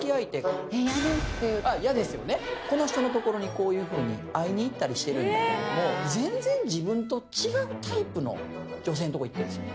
この人のところにこういうふうに会いに行ったりしてるんだけども全然自分と違うタイプの女性んとこ行ってんすよ